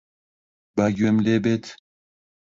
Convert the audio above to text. با گوێم لێ بێت.